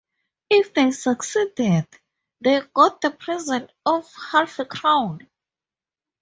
If they succeeded, they got the present of half a crown.